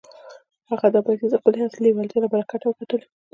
هغه دا پيسې د خپلې اصلي لېوالتيا له برکته وګټلې.